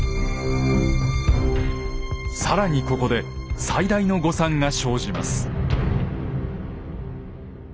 更にここで最大の誤算が生じます。